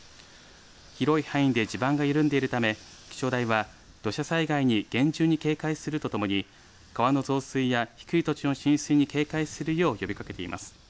広い範囲で地盤が緩んでいるため気象台は土砂災害に厳重に警戒するとともに川の増水や低い土地の浸水に警戒するよう呼びかけています。